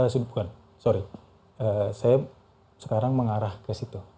saya sekarang mengarah ke situ